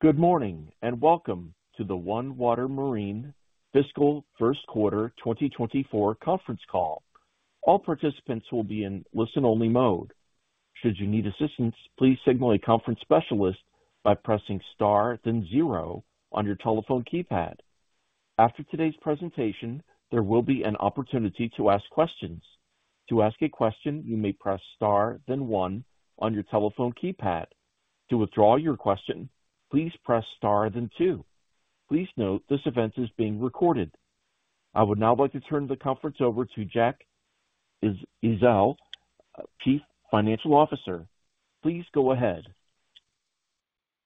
Good morning, and welcome to the OneWater Marine Fiscal First Quarter 2024 Conference Call. All participants will be in listen-only mode. Should you need assistance, please signal a conference specialist by pressing star, then zero on your telephone keypad. After today's presentation, there will be an opportunity to ask questions. To ask a question, you may press Star, then one on your telephone keypad. To withdraw your question, please press star, then two. Please note, this event is being recorded. I would now like to turn the conference over to Jack Ezzell, Chief Financial Officer. Please go ahead.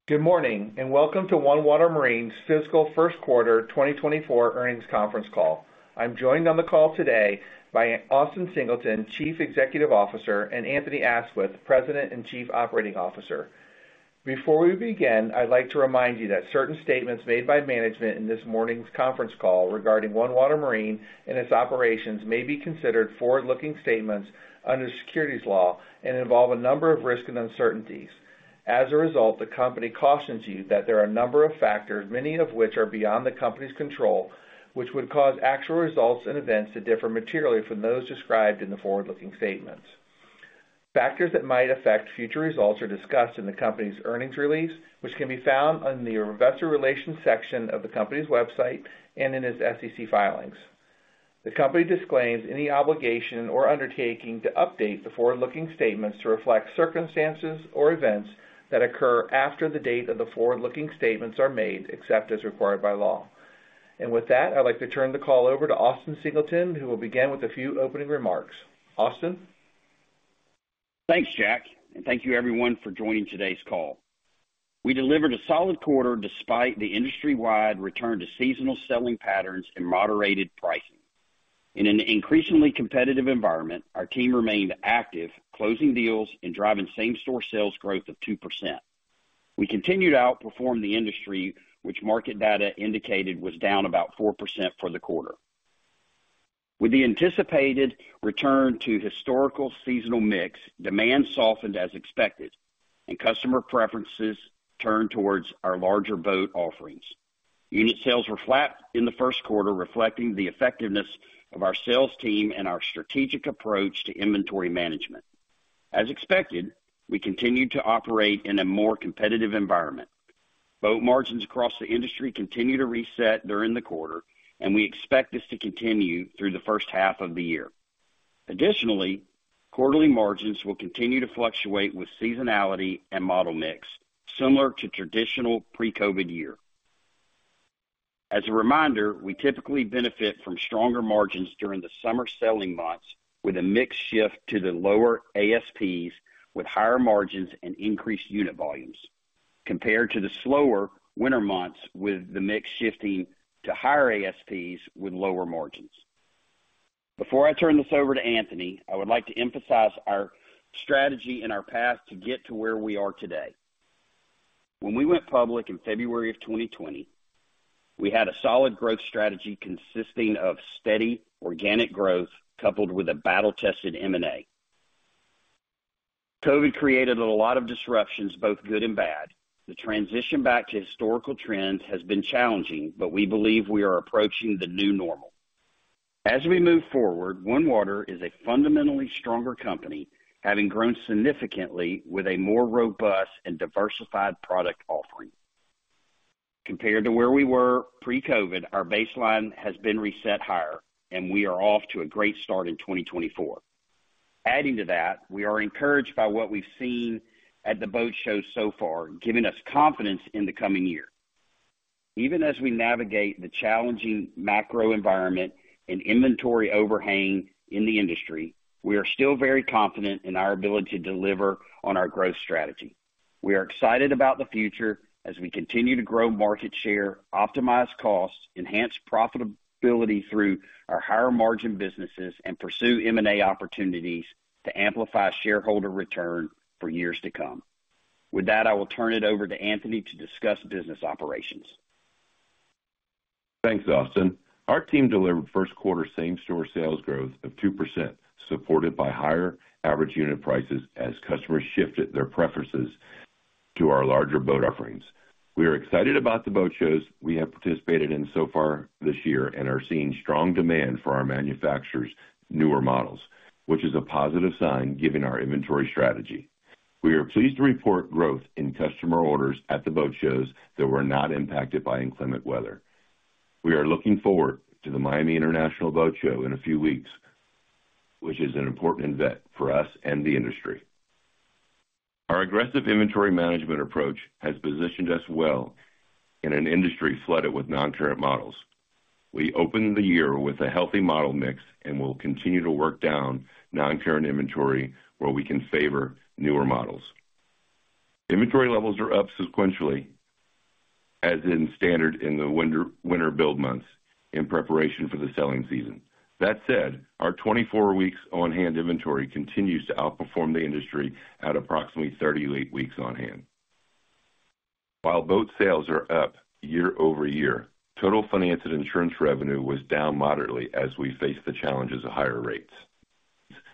Good morning, and welcome to OneWater Marine's Fiscal First Quarter 2024 Earnings Conference Call. I'm joined on the call today by Austin Singleton, Chief Executive Officer, and Anthony Aisquith, President and Chief Operating Officer. Before we begin, I'd like to remind you that certain statements made by management in this morning's conference call regarding OneWater Marine and its operations may be considered forward-looking statements under securities law and involve a number of risks and uncertainties. As a result, the company cautions you that there are a number of factors, many of which are beyond the company's control, which would cause actual results and events to differ materially from those described in the forward-looking statements. Factors that might affect future results are discussed in the company's earnings release, which can be found on the Investor Relations section of the company's website and in its SEC filings. The company disclaims any obligation or undertaking to update the forward-looking statements to reflect circumstances or events that occur after the date of the forward-looking statements are made, except as required by law. And with that, I'd like to turn the call over to Austin Singleton, who will begin with a few opening remarks. Austin? Thanks, Jack, and thank you everyone for joining today's call. We delivered a solid quarter despite the industry-wide return to seasonal selling patterns and moderated pricing. In an increasingly competitive environment, our team remained active, closing deals and driving same-store sales growth of 2%. We continued to outperform the industry, which market data indicated was down about 4% for the quarter. With the anticipated return to historical seasonal mix, demand softened as expected, and customer preferences turned towards our larger boat offerings. Unit sales were flat in the first quarter, reflecting the effectiveness of our sales team and our strategic approach to inventory management. As expected, we continued to operate in a more competitive environment. Boat margins across the industry continued to reset during the quarter, and we expect this to continue through the first half of the year. Additionally, quarterly margins will continue to fluctuate with seasonality and model mix, similar to traditional pre-COVID year. As a reminder, we typically benefit from stronger margins during the summer selling months, with a mix shift to the lower ASPs, with higher margins and increased unit volumes, compared to the slower winter months, with the mix shifting to higher ASPs with lower margins. Before I turn this over to Anthony, I would like to emphasize our strategy and our path to get to where we are today. When we went public in February of 2020, we had a solid growth strategy consisting of steady organic growth coupled with a battle-tested M&A. COVID created a lot of disruptions, both good and bad. The transition back to historical trends has been challenging, but we believe we are approaching the new normal. As we move forward, OneWater is a fundamentally stronger company, having grown significantly with a more robust and diversified product offering. Compared to where we were pre-COVID, our baseline has been reset higher, and we are off to a great start in 2024. Adding to that, we are encouraged by what we've seen at the boat shows so far, giving us confidence in the coming year. Even as we navigate the challenging macro environment and inventory overhang in the industry, we are still very confident in our ability to deliver on our growth strategy. We are excited about the future as we continue to grow market share, optimize costs, enhance profitability through our higher-margin businesses, and pursue M&A opportunities to amplify shareholder return for years to come. With that, I will turn it over to Anthony to discuss business operations. Thanks, Austin. Our team delivered first quarter same-store sales growth of 2%, supported by higher average unit prices as customers shifted their preferences to our larger boat offerings. We are excited about the boat shows we have participated in so far this year and are seeing strong demand for our manufacturer's newer models, which is a positive sign given our inventory strategy. We are pleased to report growth in customer orders at the boat shows that were not impacted by inclement weather. We are looking forward to the Miami International Boat Show in a few weeks, which is an important event for us and the industry. Our aggressive inventory management approach has positioned us well in an industry flooded with non-current models. We opened the year with a healthy model mix and will continue to work down non-current inventory where we can favor newer models. Inventory levels are up sequentially, as is standard in the winter build months in preparation for the selling season. That said, our 24 weeks on-hand inventory continues to outperform the industry at approximately 38 weeks on hand. While boat sales are up year-over-year, total finance and insurance revenue was down moderately as we face the challenges of higher rates.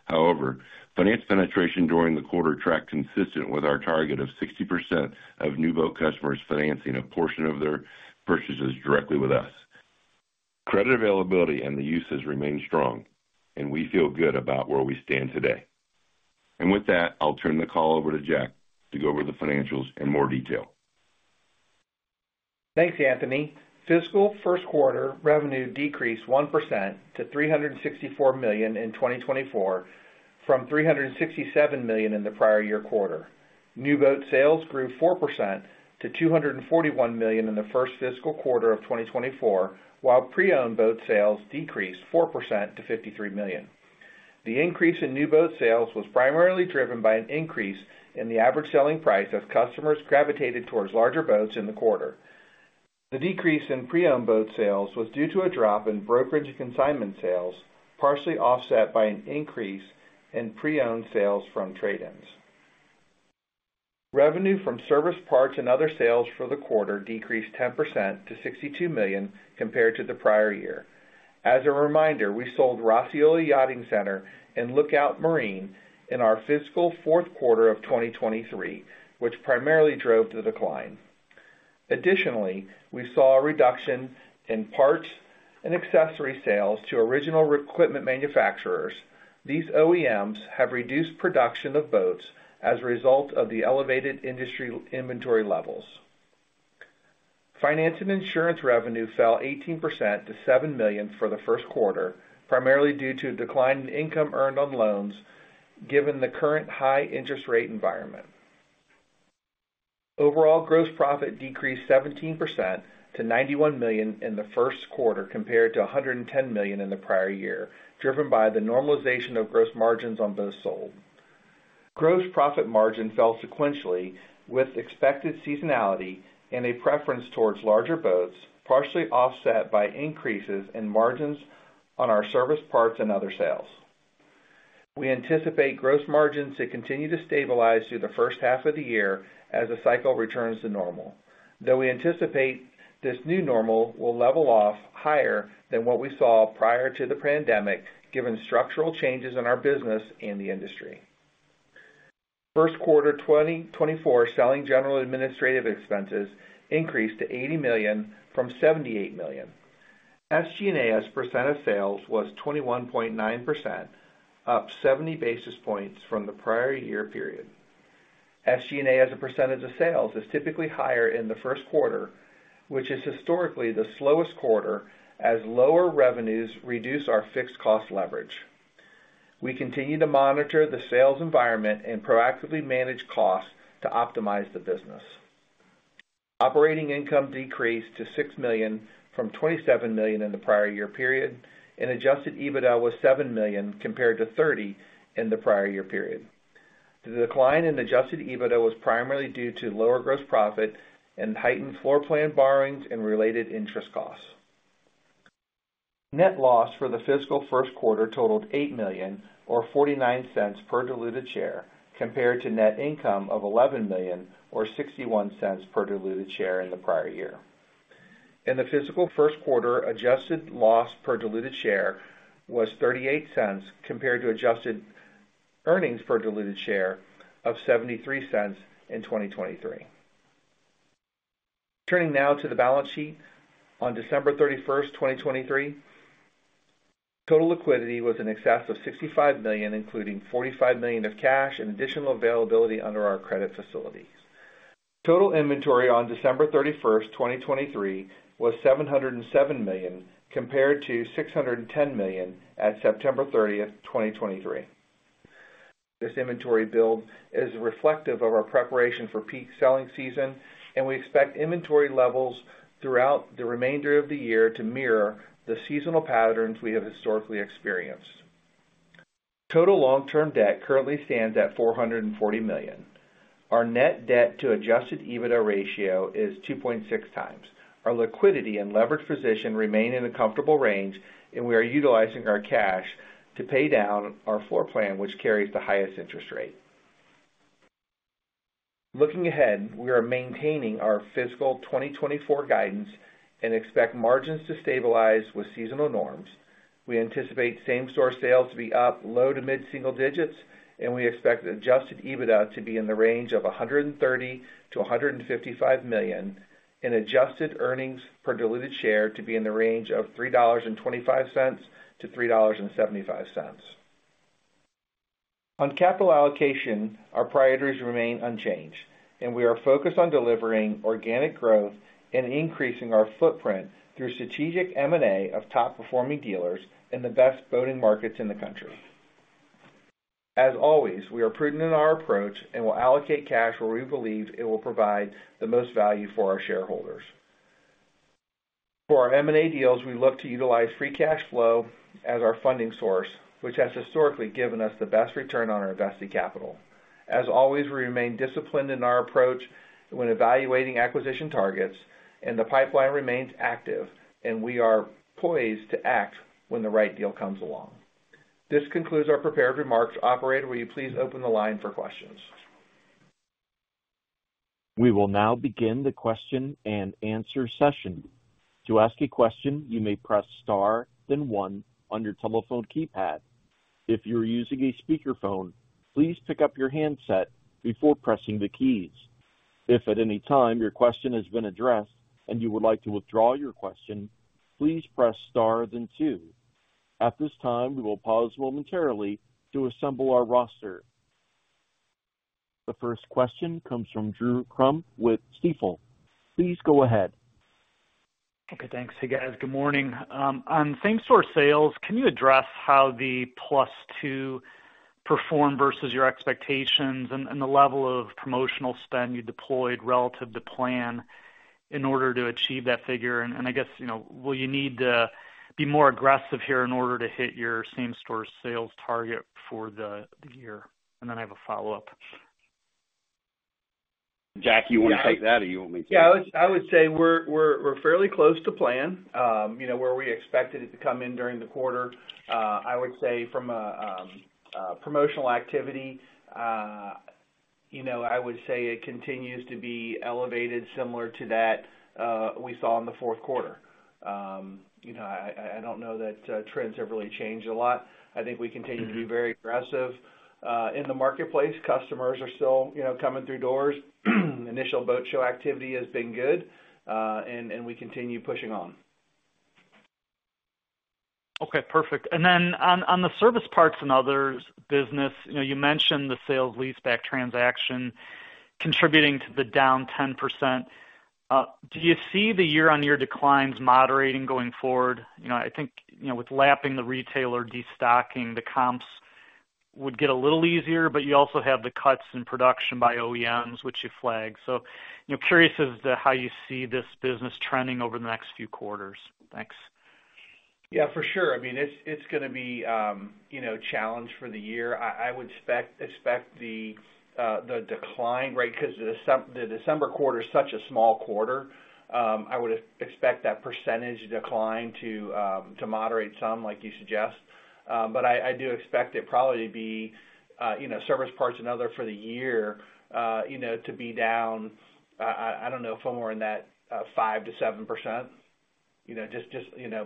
However, finance penetration during the quarter tracked consistent with our target of 60% of new boat customers financing a portion of their purchases directly with us. Credit availability and the uses remain strong, and we feel good about where we stand today. With that, I'll turn the call over to Jack to go over the financials in more detail. Thanks, Anthony. Fiscal first quarter revenue decreased 1% to $364 million in 2024, from $367 million in the prior year quarter. New boat sales grew 4% to $241 million in the first fiscal quarter of 2024, while pre-owned boat sales decreased 4% to $53 million. The increase in new boat sales was primarily driven by an increase in the average selling price as customers gravitated towards larger boats in the quarter. The decrease in pre-owned boat sales was due to a drop in brokerage consignment sales, partially offset by an increase in pre-owned sales from trade-ins. Revenue from service parts and other sales for the quarter decreased 10% to $62 million compared to the prior year. As a reminder, we sold Roscioli Yachting Center and Lookout Marine in our fiscal fourth quarter of 2023, which primarily drove the decline. Additionally, we saw a reduction in parts and accessory sales to original equipment manufacturers. These OEMs have reduced production of boats as a result of the elevated industry inventory levels. Finance and insurance revenue fell 18% to $7 million for the first quarter, primarily due to a decline in income earned on loans, given the current high interest rate environment. Overall, gross profit decreased 17% to $91 million in the first quarter, compared to $110 million in the prior year, driven by the normalization of gross margins on boats sold. Gross profit margin fell sequentially with expected seasonality and a preference towards larger boats, partially offset by increases in margins on our service, parts, and other sales. We anticipate gross margins to continue to stabilize through the first half of the year as the cycle returns to normal. Though we anticipate this new normal will level off higher than what we saw prior to the pandemic, given structural changes in our business and the industry. First quarter 2024 selling general administrative expenses increased to $80 million from $78 million. SG&A as a percent of sales was 21.9%, up 70 basis points from the prior year period. SG&A, as a percentage of sales, is typically higher in the first quarter, which is historically the slowest quarter, as lower revenues reduce our fixed cost leverage. We continue to monitor the sales environment and proactively manage costs to optimize the business. Operating income decreased to $6 million from $27 million in the prior year period, and adjusted EBITDA was $7 million, compared to $30 million in the prior year period. The decline in adjusted EBITDA was primarily due to lower gross profit and heightened floor plan borrowings and related interest costs. Net loss for the fiscal first quarter totaled $8 million or $0.49 per diluted share, compared to net income of $11 million or $0.61 per diluted share in the prior year. In the fiscal first quarter, adjusted loss per diluted share was $0.38, compared to adjusted earnings per diluted share of $0.73 in 2023. Turning now to the balance sheet. On December 31st, 2023, total liquidity was in excess of $65 million, including $45 million of cash and additional availability under our credit facilities. Total inventory on December 31st, 2023, was $707 million, compared to $610 million at September 30th, 2023. This inventory build is reflective of our preparation for peak selling season, and we expect inventory levels throughout the remainder of the year to mirror the seasonal patterns we have historically experienced. Total long-term debt currently stands at $440 million. Our net debt to adjusted EBITDA ratio is 2.6x. Our liquidity and leverage position remain in a comfortable range, and we are utilizing our cash to pay down our floor plan, which carries the highest interest rate. Looking ahead, we are maintaining our fiscal 2024 guidance and expect margins to stabilize with seasonal norms. We anticipate same-store sales to be up low- to mid-single digits, and we expect adjusted EBITDA to be in the range of $100 million-$155 million, and adjusted earnings per diluted share to be in the range of $3.25-$3.75. On capital allocation, our priorities remain unchanged, and we are focused on delivering organic growth and increasing our footprint through strategic M&A of top-performing dealers in the best boating markets in the country. As always, we are prudent in our approach and will allocate cash where we believe it will provide the most value for our shareholders. For our M&A deals, we look to utilize free cash flow as our funding source, which has historically given us the best return on our invested capital. As always, we remain disciplined in our approach when evaluating acquisition targets, and the pipeline remains active, and we are poised to act when the right deal comes along. This concludes our prepared remarks. Operator, will you please open the line for questions? We will now begin the question-and-answer session. To ask a question, you may press star, then one on your telephone keypad. If you are using a speakerphone, please pick up your handset before pressing the keys. If at any time your question has been addressed and you would like to withdraw your question, please press star, then two. At this time, we will pause momentarily to assemble our roster. The first question comes from Drew Crum with Stifel. Please go ahead. Okay, thanks. Hey, guys. Good morning. On same-store sales, can you address how the +2 performed versus your expectations and the level of promotional spend you deployed relative to plan in order to achieve that figure? And I guess, you know, will you need to be more aggressive here in order to hit your same-store sales target for the year? And then I have a follow-up. Jack, you want to take that, or you want me to? Yeah, I would say we're fairly close to plan. You know, where we expected it to come in during the quarter. I would say from a promotional activity, you know, I would say it continues to be elevated similar to that we saw in the fourth quarter. You know, I don't know that trends have really changed a lot. I think we continue to be very aggressive in the marketplace. Customers are still, you know, coming through doors. Initial boat show activity has been good, and we continue pushing on. Okay, perfect. Then on the service parts and others business, you know, you mentioned the sale-leaseback transaction contributing to the down 10%. Do you see the year-on-year declines moderating going forward? You know, I think, you know, with lapping the retailer destocking, the comps would get a little easier, but you also have the cuts in production by OEMs, which you flagged. So, you know, curious as to how you see this business trending over the next few quarters. Thanks. Yeah, for sure. I mean, it's going to be, you know, challenged for the year. I would expect the decline, right, because the December quarter is such a small quarter. I would expect that percentage decline to moderate some, like you suggest. But I do expect it probably to be, you know, service parts and other for the year, you know, to be down, I don't know, somewhere in that 5%-7%. You know, just,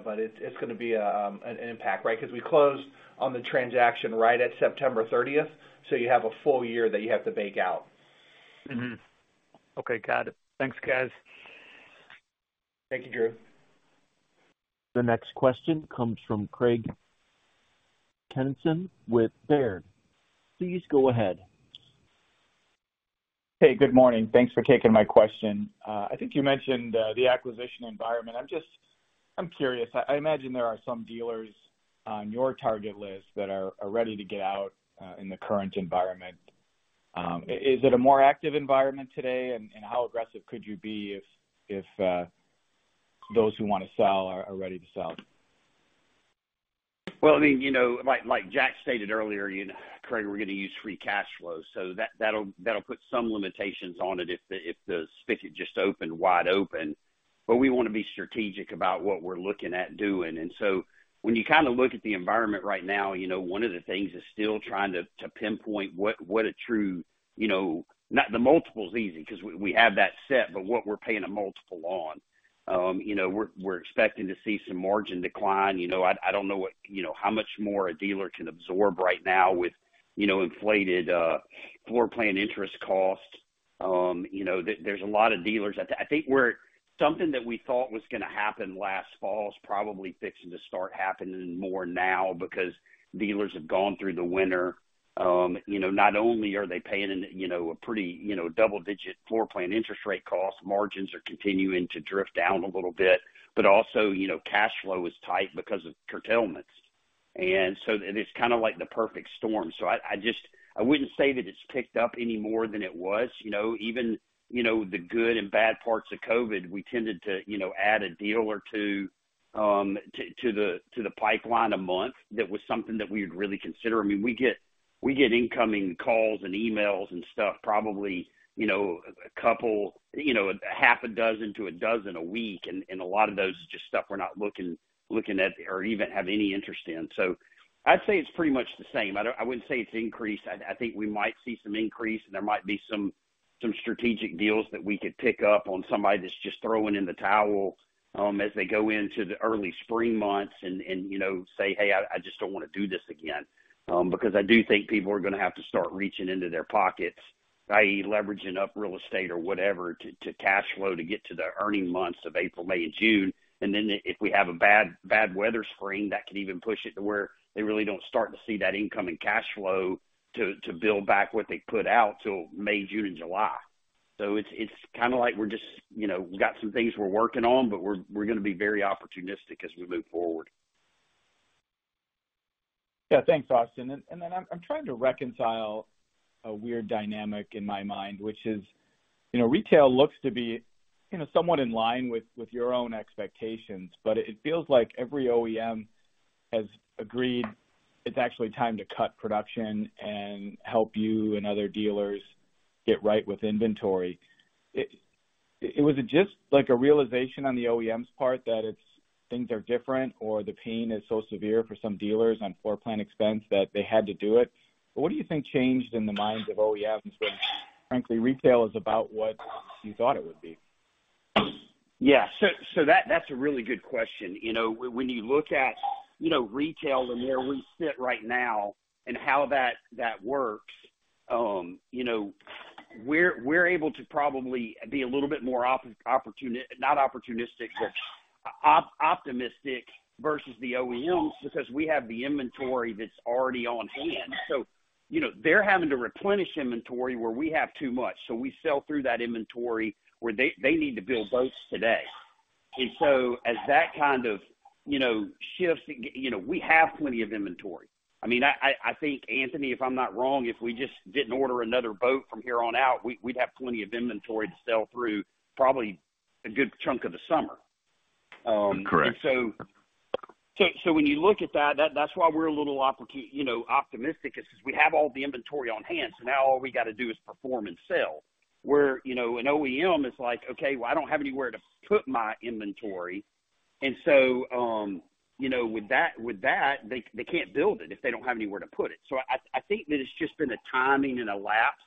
but it's going to be an impact, right? Because we closed on the transaction right at September thirtieth, so you have a full year that you have to bake out. Okay, got it. Thanks, guys. Thank you, Drew. The next question comes from Craig Kennison with Baird. Please go ahead. Hey, good morning. Thanks for taking my question. I think you mentioned the acquisition environment. I'm just, I'm curious. I imagine there are some dealers on your target list that are ready to get out in the current environment. Is it a more active environment today? And how aggressive could you be if those who want to sell are ready to sell? Well, I mean, you know, like Jack stated earlier, you know, Craig, we're going to use free cash flow, so that'll put some limitations on it if the spigot just opened wide open. But we want to be strategic about what we're looking at doing. And so when you kind of look at the environment right now, you know, one of the things is still trying to pinpoint what a true multiple is easy because we have that set, but what we're paying a multiple on. You know, we're expecting to see some margin decline. You know, I don't know how much more a dealer can absorb right now with inflated floor plan interest costs. You know, there's a lot of dealers. I think something that we thought was going to happen last fall is probably fixing to start happening more now because dealers have gone through the winter. You know, not only are they paying, you know, a pretty, you know, double-digit floor plan interest rate cost, margins are continuing to drift down a little bit, but also, you know, cash flow is tight because of curtailments. And so it is kind of like the perfect storm. So I just- I wouldn't say that it's kicked up any more than it was. You know, even, you know, the good and bad parts of COVID, we tended to, you know, add a deal or two to the pipeline a month. That was something that we would really consider. I mean, we get incoming calls and emails and stuff, probably, you know, a couple, you know, 6-12 a week, and a lot of those is just stuff we're not looking at or even have any interest in. So I'd say it's pretty much the same. I wouldn't say it's increased. I think we might see some increase, and there might be some strategic deals that we could pick up on somebody that's just throwing in the towel, as they go into the early spring months and, you know, say, "Hey, I just don't want to do this again." Because I do think people are going to have to start reaching into their pockets, i.e., leveraging up real estate or whatever, to cash flow, to get to the earning months of April, May, and June. And then if we have a bad weather spring, that could even push it to where they really don't start to see that incoming cash flow to build back what they put out till May, June, and July. It's kind of like we're just, you know, we've got some things we're working on, but we're going to be very opportunistic as we move forward. Yeah. Thanks, Austin. And then I'm trying to reconcile a weird dynamic in my mind, which is, you know, retail looks to be, you know, somewhat in line with your own expectations, but it feels like every OEM has agreed it's actually time to cut production and help you and other dealers get right with inventory. Was it just like a realization on the OEMs part, that it's, things are different, or the pain is so severe for some dealers on floor plan expense that they had to do it? What do you think changed in the minds of OEMs when, frankly, retail is about what you thought it would be? Yeah. So that's a really good question. You know, when you look at, you know, retail and where we sit right now and how that works, you know, we're able to probably be a little bit more not opportunistic, but optimistic versus the OEMs because we have the inventory that's already on hand. So, you know, they're having to replenish inventory where we have too much. So we sell through that inventory where they need to build boats today. And so as that kind of, you know, shifts, you know, we have plenty of inventory. I mean, I think, Anthony, if I'm not wrong, if we just didn't order another boat from here on out, we'd have plenty of inventory to sell through, probably a good chunk of the summer. Correct. And so when you look at that, that's why we're a little opportunistic—you know, optimistic—is because we have all the inventory on hand, so now all we got to do is perform and sell. Where, you know, an OEM is like, "Okay, well, I don't have anywhere to put my inventory." And so, you know, with that, they can't build it if they don't have anywhere to put it. So I think that it's just been a timing and a lapse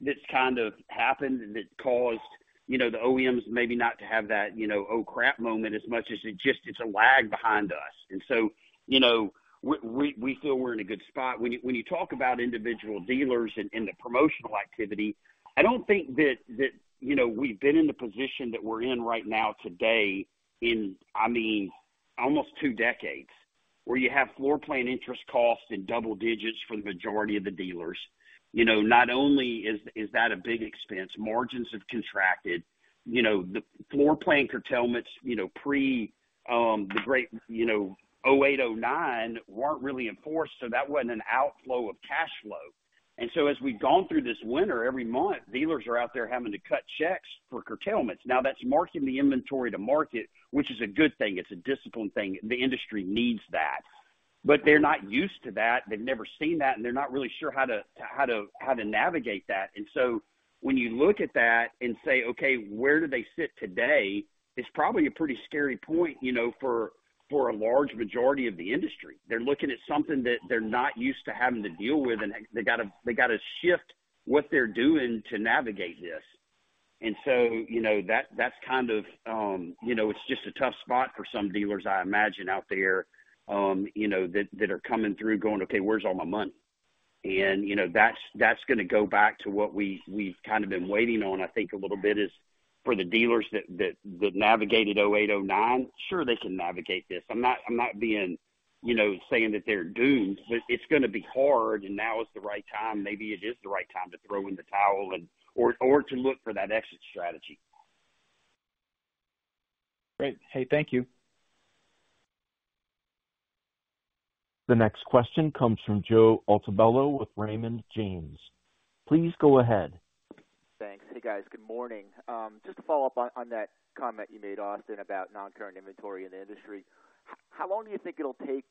that's kind of happened, and it caused, you know, the OEMs maybe not to have that, you know, oh, crap moment as much as it just, it's a lag behind us. And so, you know, we feel we're in a good spot. When you talk about individual dealers and the promotional activity, I don't think that, you know, we've been in the position that we're in right now, today, in, I mean, almost two decades, where you have floor plan interest costs in double digits for the majority of the dealers. You know, not only is that a big expense, margins have contracted. You know, the floor plan curtailments, you know, pre, the great, you know, 2008, 2009, weren't really enforced, so that wasn't an outflow of cash flow. And so as we've gone through this winter, every month, dealers are out there having to cut checks for curtailments. Now, that's marking the inventory to market, which is a good thing. It's a discipline thing. The industry needs that. But they're not used to that. They've never seen that, and they're not really sure how to navigate that. And so when you look at that and say, okay, where do they sit today? It's probably a pretty scary point, you know, for a large majority of the industry. They're looking at something that they're not used to having to deal with, and they got to shift what they're doing to navigate this. And so, you know, that's kind of, you know, it's just a tough spot for some dealers, I imagine, out there, you know, that are coming through, going, "Okay, where's all my money?" And, you know, that's going to go back to what we've kind of been waiting on, I think, a little bit, is for the dealers that navigated 2008, 2009. Sure, they can navigate this. I'm not, I'm not being, you know, saying that they're doomed, but it's going to be hard, and now is the right time. Maybe it is the right time to throw in the towel and or, or to look for that exit strategy. Great. Hey, thank you. The next question comes from Joe Altobello with Raymond James. Please go ahead. Thanks. Hey, guys, good morning. Just to follow up on that comment you made, Austin, about non-current inventory in the industry. How long do you think it'll take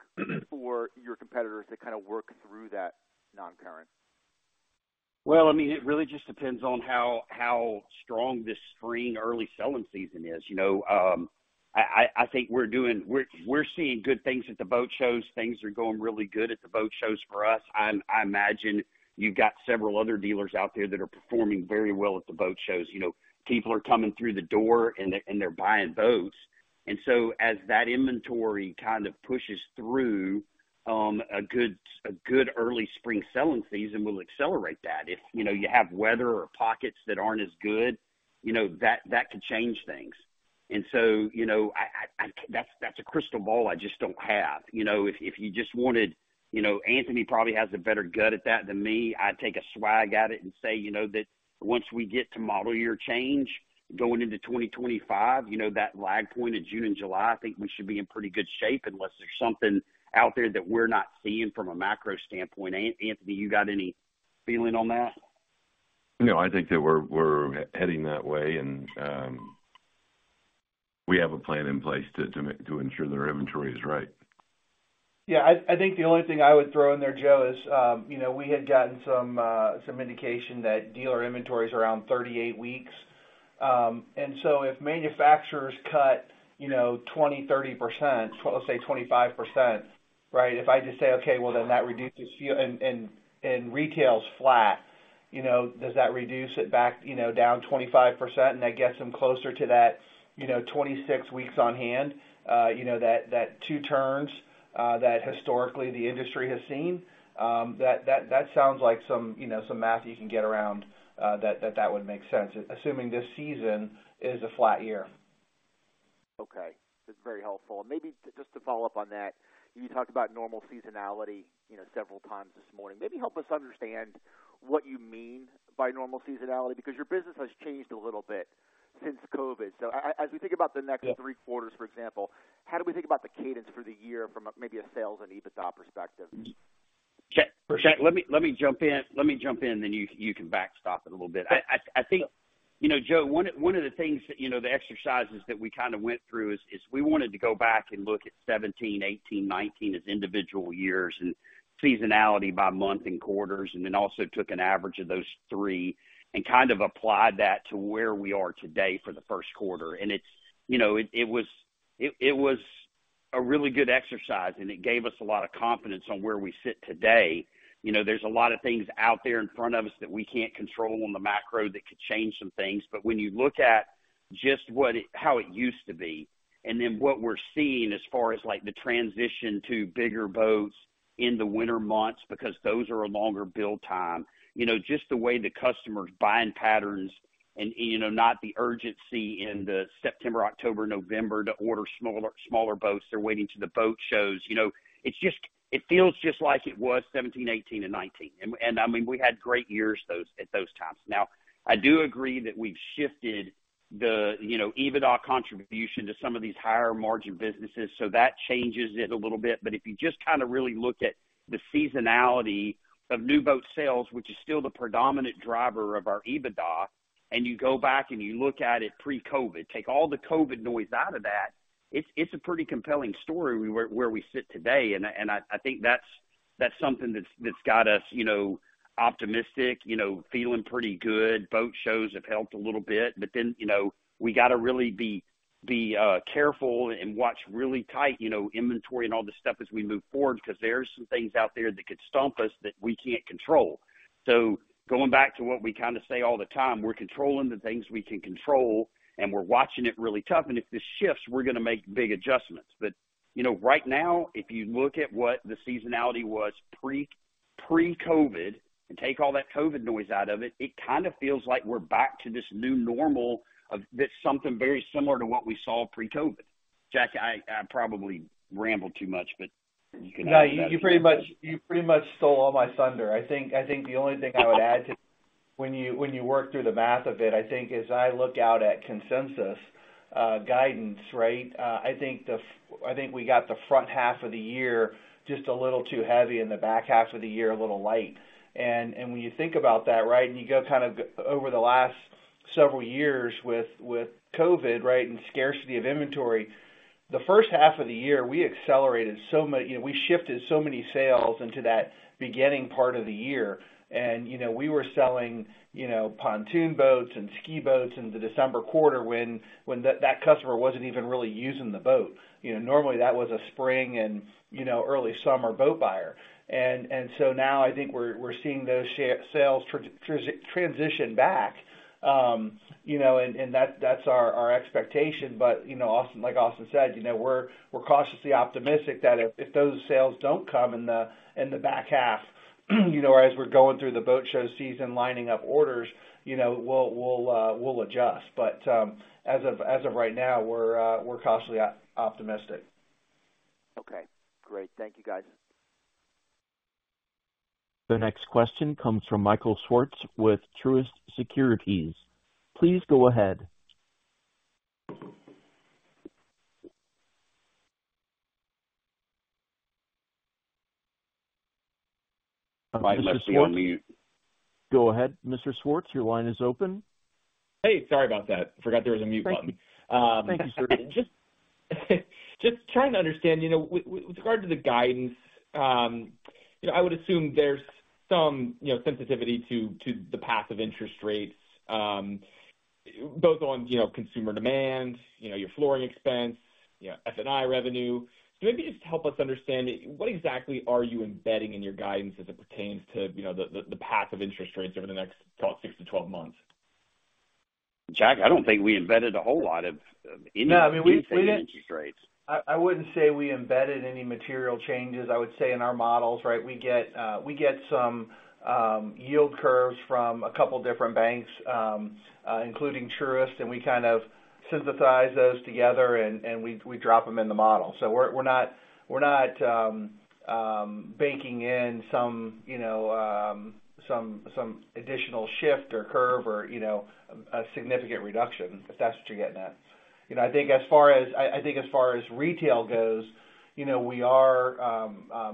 for your competitors to kind of work through that non-current? Well, I mean, it really just depends on how strong this spring early selling season is. You know, I think we're doing-- we're seeing good things at the boat shows. Things are going really good at the boat shows for us. I imagine you've got several other dealers out there that are performing very well at the boat shows. You know, people are coming through the door and they're buying boats. And so as that inventory kind of pushes through, a good early spring selling season will accelerate that. If you know, you have weather or pockets that aren't as good, you know, that could change things. And so, you know, I-- that's a crystal ball I just don't have. You know, if you just wanted. You know, Anthony probably has a better gut at that than me. I'd take a swag at it and say, you know, that once we get to model year change, going into 2025, you know, that lag point in June and July, I think we should be in pretty good shape, unless there's something out there that we're not seeing from a macro standpoint. Anthony, you got any feeling on that? No, I think that we're heading that way, and we have a plan in place to ensure that our inventory is right. Yeah, I think the only thing I would throw in there, Joe, is, you know, we had gotten some indication that dealer inventory is around 38 weeks. And so if manufacturers cut, you know, 20%-30%, let's say 25%, right? If I just say, okay, well, then that reduces floor plan and retail is flat, you know, does that reduce it back, you know, down 25%, and that gets them closer to that, you know, 26 weeks on hand? You know, that 2 turns that historically the industry has seen, that sounds like some, you know, some math you can get around, that would make sense, assuming this season is a flat year. Okay. That's very helpful. Maybe just to follow up on that, you talked about normal seasonality, you know, several times this morning. Maybe help us understand what you mean by normal seasonality, because your business has changed a little bit since COVID. So as we think about the next three quarters, for example, how do we think about the cadence for the year from a maybe a sales and EBITDA perspective? Jack. Let me jump in. Let me jump in, then you can backstop it a little bit. I think, you know, Joe, one of the things that, you know, the exercises that we kind of went through is we wanted to go back and look at 2017, 2018, 2019 as individual years and seasonality by month and quarters, and then also took an average of those three and kind of applied that to where we are today for the first quarter. And it was a really good exercise, and it gave us a lot of confidence on where we sit today. You know, there's a lot of things out there in front of us that we can't control on the macro that could change some things. But when you look at just what it, how it used to be, and then what we're seeing as far as, like, the transition to bigger boats in the winter months, because those are a longer build time, you know, just the way the customers' buying patterns and, you know, not the urgency in the September, October, November to order smaller, smaller boats. They're waiting till the boat shows. You know, it's just it feels just like it was 2017, 2018, and 2019. And I mean, we had great years those at those times. Now, I do agree that we've shifted the, you know, EBITDA contribution to some of these higher margin businesses, so that changes it a little bit. But if you just kind of really look at the seasonality of new boat sales, which is still the predominant driver of our EBITDA, and you go back and you look at it pre-COVID, take all the COVID noise out of that, it's a pretty compelling story where we sit today. And I think that's something that's got us, you know, optimistic, you know, feeling pretty good. Boat shows have helped a little bit, but then, you know, we got to really be careful and watch really tight, you know, inventory and all this stuff as we move forward, because there are some things out there that could stump us that we can't control. So going back to what we kind of say all the time, we're controlling the things we can control, and we're watching it really tough. If this shifts, we're going to make big adjustments. But, you know, right now, if you look at what the seasonality was pre, pre-COVID, and take all that COVID noise out of it, it kind of feels like we're back to this new normal of, that something very similar to what we saw pre-COVID. Jack, I probably rambled too much, but you can add to that. No, you pretty much, you pretty much stole all my thunder. I think, I think the only thing I would add to when you, when you work through the math of it. I think as I look out at consensus guidance, right? I think we got the front half of the year just a little too heavy and the back half of the year a little light. And when you think about that, right? And you go kind of over the last several years with COVID, right, and scarcity of inventory. The first half of the year, we accelerated so much, you know, we shifted so many sales into that beginning part of the year. And, you know, we were selling, you know, pontoon boats and ski boats in the December quarter when that customer wasn't even really using the boat. You know, normally, that was a spring and, you know, early summer boat buyer. And, and so now I think we're, we're seeing those sales transition back, you know, and, and that's, that's our, our expectation. But, you know, Austin—like Austin said, you know, we're, we're cautiously optimistic that if, if those sales don't come in the, in the back half, you know, as we're going through the boat show season, lining up orders, you know, we'll, we'll adjust. But, as of, as of right now, we're, we're cautiously optimistic. Okay, great. Thank you, guys. The next question comes from Michael Swartz with Truist Securities. Please go ahead. Michael Swartz, go ahead, Mr. Swartz, your line is open. Hey, sorry about that. Forgot there was a mute button. Just, just trying to understand, you know, with regard to the guidance, you know, I would assume there's some, you know, sensitivity to the path of interest rates, both on, you know, consumer demand, you know, your floor plan expense, you know, F&I revenue. So maybe just help us understand, what exactly are you embedding in your guidance as it pertains to, you know, the path of interest rates over the next 6-12 months? Jack, I don't think we embedded a whole lot of, any. No, I mean, we didn't. Interest rates. I wouldn't say we embedded any material changes. I would say, in our models, right? We get, we get some yield curves from a couple different banks, including Truist, and we kind of synthesize those together, and we drop them in the model. So we're not baking in some, you know, some additional shift or curve or, you know, a significant reduction, if that's what you're getting at. You know, I think as far as retail goes, you know, we are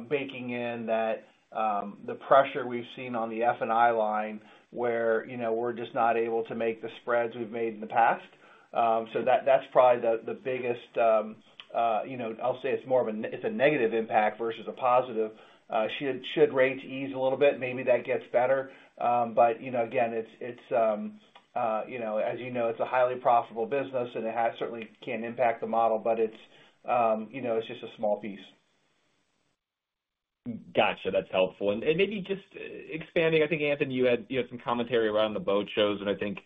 baking in that, the pressure we've seen on the F&I line where, you know, we're just not able to make the spreads we've made in the past. So that's probably the biggest, you know, I'll say it's more of a negative impact versus a positive. Should rates ease a little bit, maybe that gets better. But, you know, again, it's a highly profitable business, and it certainly can impact the model, but it's, you know, it's just a small piece. Gotcha, that's helpful. And maybe just expanding, I think, Anthony, you had, you know, some commentary around the boat shows, and I think,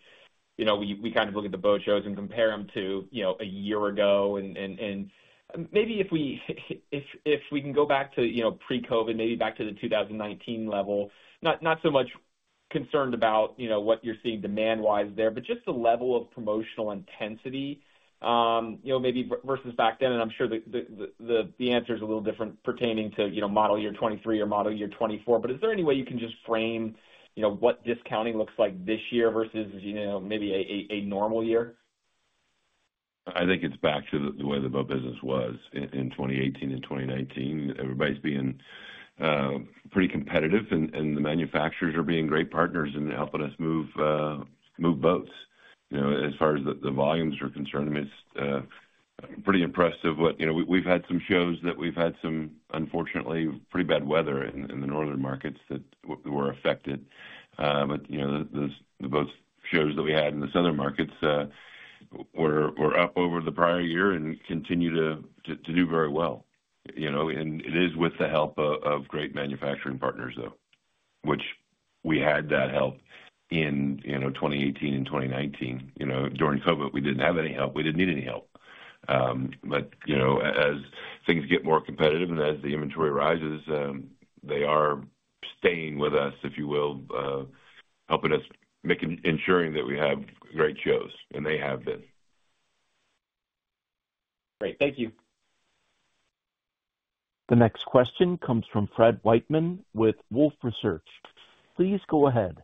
you know, we kind of look at the boat shows and compare them to, you know, a year ago. And maybe if we can go back to, you know, pre-COVID, maybe back to the 2019 level, not so much concerned about, you know, what you're seeing demand-wise there, but just the level of promotional intensity, you know, maybe versus back then. And I'm sure the answer is a little different pertaining to, you know, model year 2023 or model year 2024. But is there any way you can just frame, you know, what discounting looks like this year versus, you know, maybe a normal year? I think it's back to the way the boat business was in 2018 and 2019. Everybody's being pretty competitive, and the manufacturers are being great partners in helping us move boats. You know, as far as the volumes are concerned, I mean, it's pretty impressive what, you know, we had some shows that we've had some, unfortunately, pretty bad weather in the northern markets that were affected. But you know, the boat shows that we had in the southern markets, We're up over the prior year and continue to do very well. You know, and it is with the help of great manufacturing partners, though, which we had that help in, you know, 2018 and 2019. You know, during COVID, we didn't have any help. We didn't need any help. But, you know, as things get more competitive and as the inventory rises, they are staying with us, if you will, helping us ensuring that we have great shows, and they have been. Great. Thank you. The next question comes from Fred Wightman with Wolfe Research. Please go ahead.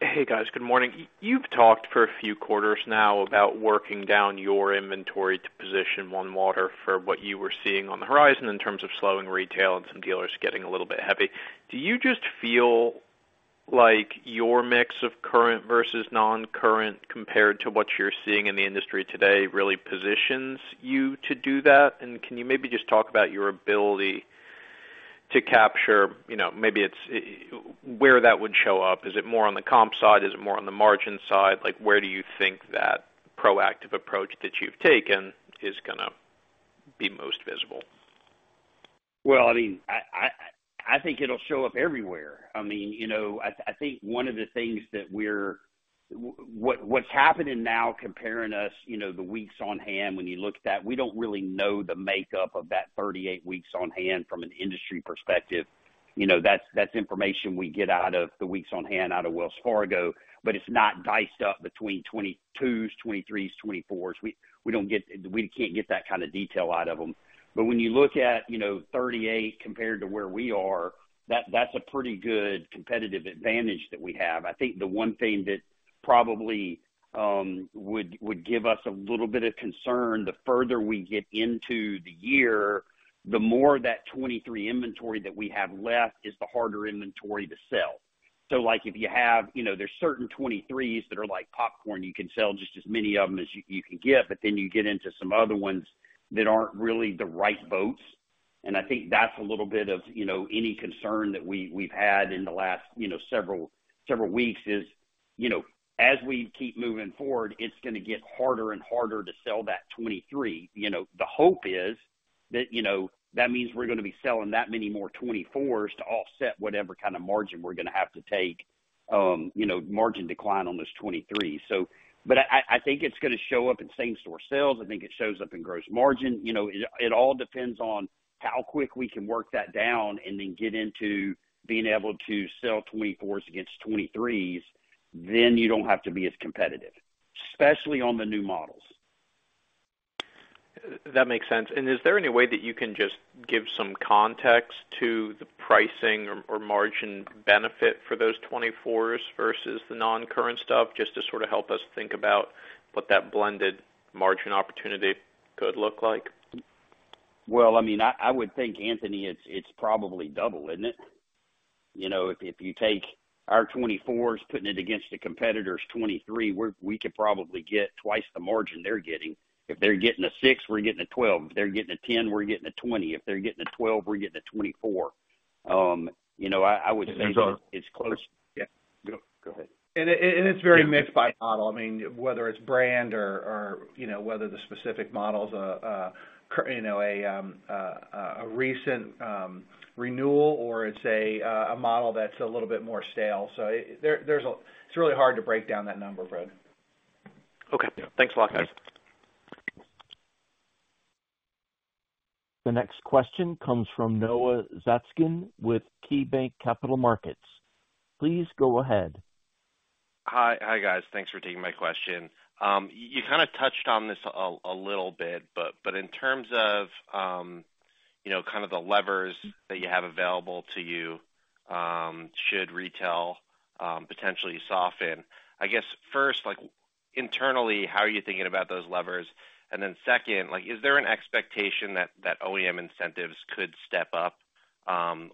Hey, guys. Good morning. You've talked for a few quarters now about working down your inventory to position OneWater for what you were seeing on the horizon in terms of slowing retail and some dealers getting a little bit heavy. Do you just feel like your mix of current versus non-current, compared to what you're seeing in the industry today, really positions you to do that? And can you maybe just talk about your ability to capture, you know, maybe it's, where that would show up? Is it more on the comp side? Is it more on the margin side? Like, where do you think that proactive approach that you've taken is gonna be most visible? Well, I mean, I think it'll show up everywhere. I mean, you know, I think one of the things that we're—what's happening now, comparing us, you know, the weeks on hand, when you look at that, we don't really know the makeup of that 38 weeks on hand from an industry perspective. You know, that's information we get out of the weeks on hand out of Wells Fargo, but it's not diced up between 2022s, 2023s, 2024s. We don't get—we can't get that kind of detail out of them. But when you look at, you know, 38 compared to where we are, that's a pretty good competitive advantage that we have. I think the one thing that probably would give us a little bit of concern, the further we get into the year, the more that 2023 inventory that we have left is the harder inventory to sell. So, like, if you have, you know, there's certain 2023s that are like popcorn, you can sell just as many of them as you can get, but then you get into some other ones that aren't really the right boats. And I think that's a little bit of, you know, any concern that we've had in the last, you know, several weeks is, you know, as we keep moving forward, it's gonna get harder and harder to sell that 2023. You know, the hope is that, you know, that means we're gonna be selling that many more 2024s to offset whatever kind of margin we're gonna have to take, you know, margin decline on this 2023. But I think it's gonna show up in same-store sales. I think it shows up in gross margin. You know, it all depends on how quick we can work that down and then get into being able to sell 2024s against 2023s, then you don't have to be as competitive, especially on the new models. That makes sense. Is there any way that you can just give some context to the pricing or margin benefit for those 2024s versus the non-current stuff, just to sort of help us think about what that blended margin opportunity could look like? Well, I mean, I would think, Anthony, it's probably double, isn't it? You know, if you take our 2024s, putting it against the competitor's 2023, we could probably get twice the margin they're getting. If they're getting a 6%, we're getting a 12%. If they're getting a 10%, we're getting a 20%. If they're getting a 12%, we're getting a 24%. You know, I would say it's close. Yeah. Go ahead. It's very mixed by model. I mean, whether it's brand or you know, whether the specific model's a recent renewal or it's a model that's a little bit more stale. So it's really hard to break down that number, Fred. Okay. Thanks a lot, guys. The next question comes from Noah Zatzkin with KeyBanc Capital Markets. Please go ahead. Hi, hi, guys. Thanks for taking my question. You kind of touched on this a little bit, but in terms of, you know, kind of the levers that you have available to you, should retail potentially soften. I guess, first, like, internally, how are you thinking about those levers? And then second, like, is there an expectation that OEM incentives could step up,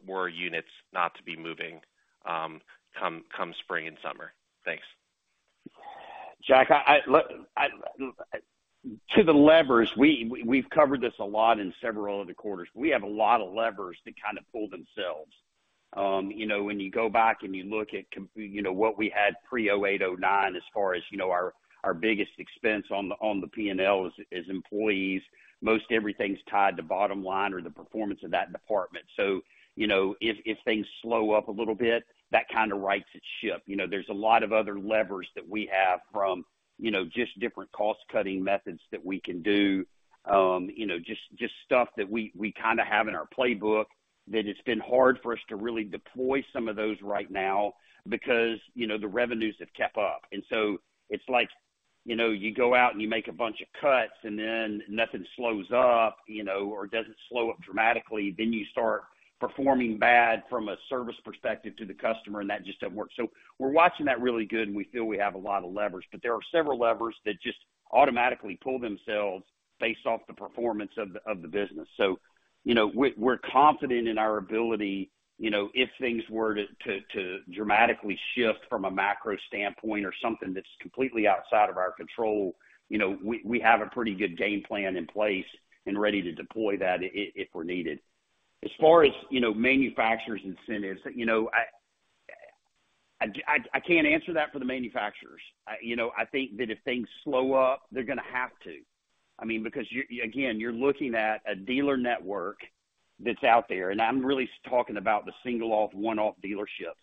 were units not to be moving, come spring and summer? Thanks. Noah, look, to the levers, we've covered this a lot in several other quarters. We have a lot of levers that kind of pull themselves. You know, when you go back and you look at you know, what we had pre-2008, 2009, as far as, you know, our biggest expense on the P&L is employees. Most everything's tied to bottom line or the performance of that department. So, you know, if things slow up a little bit, that kind of rights its ship. You know, there's a lot of other levers that we have from, you know, just different cost-cutting methods that we can do. You know, just, just stuff that we, we kind of have in our playbook, that it's been hard for us to really deploy some of those right now because, you know, the revenues have kept up. And so it's like, you know, you go out and you make a bunch of cuts, and then nothing slows up, you know, or doesn't slow up dramatically. Then you start performing bad from a service perspective to the customer, and that just doesn't work. So we're watching that really good, and we feel we have a lot of levers, but there are several levers that just automatically pull themselves based off the performance of the, of the business. So, you know, we're confident in our ability, you know, if things were to dramatically shift from a macro standpoint or something that's completely outside of our control, you know, we have a pretty good game plan in place and ready to deploy that if we're needed. As far as, you know, manufacturers' incentives, you know, I can't answer that for the manufacturers. I, you know, I think that if things slow up, they're gonna have to. I mean, because you again, you're looking at a dealer network that's out there, and I'm really talking about the standalone, one-off dealerships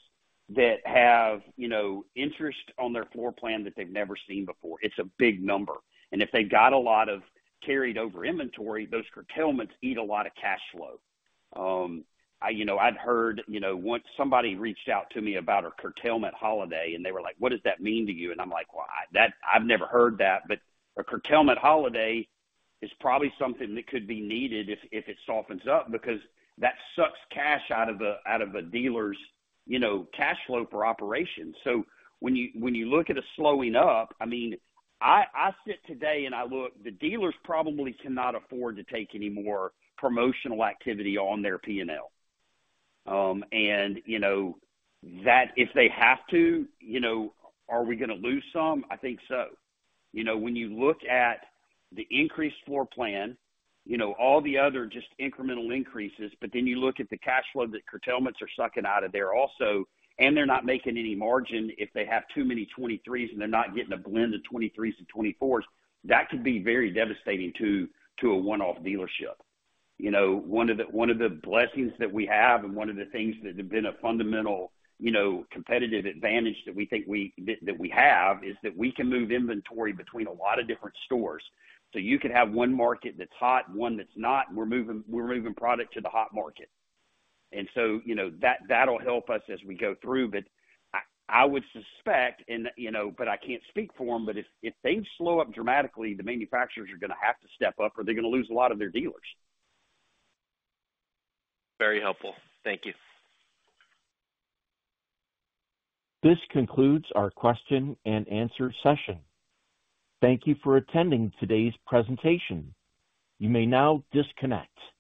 that have, you know, interest on their floor plan that they've never seen before. It's a big number. And if they got a lot of carried over inventory, those curtailments eat a lot of cash flow. You know, I'd heard, you know, once somebody reached out to me about a curtailment holiday, and they were like, "What does that mean to you?" And I'm like: Well, that, I've never heard that, but a curtailment holiday is probably something that could be needed if, if it softens up, because that sucks cash out of a, out of a dealer's, you know, cash flow for operations. So when you, when you look at a slowing up, I mean, I sit today and I look, the dealers probably cannot afford to take any more promotional activity on their P&L. And, you know, that if they have to, you know, are we gonna lose some? I think so. You know, when you look at the increased floor plan, you know, all the other just incremental increases, but then you look at the cash flow that curtailments are sucking out of there also, and they're not making any margin, if they have too many 2023s and they're not getting a blend of 2023s and 2024s, that could be very devastating to, to a one-off dealership. You know, one of the, one of the blessings that we have and one of the things that have been a fundamental, you know, competitive advantage that we think we, that, that we have, is that we can move inventory between a lot of different stores. So you could have one market that's hot, one that's not, we're moving, we're moving product to the hot market. And so, you know, that, that'll help us as we go through. I would suspect, you know, but I can't speak for them, but if they slow up dramatically, the manufacturers are gonna have to step up or they're gonna lose a lot of their dealers. Very helpful. Thank you. This concludes our question-and-answer session. Thank you for attending today's presentation. You may now disconnect.